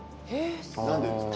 何でですか？